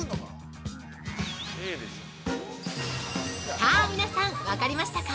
◆さぁ、皆さん分かりましたか？